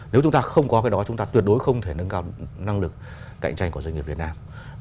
nếu chúng ta không có cái đó chúng ta tuyệt đối không thể nâng cao năng lực cạnh tranh của doanh nghiệp việt nam